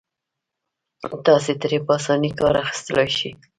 تاسې ترې په اسانۍ کار اخيستلای شئ.